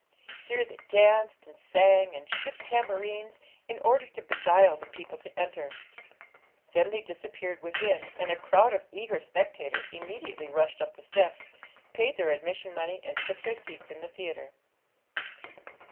Here they danced, and sang, and shook tambourines, in order to beguile the people to enter. Then they disappeared within, and a crowd of eager spectators immediately rushed up the steps, paid their admission money, and took their seats in the theatre.